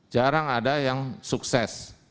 jarang ada yang sukses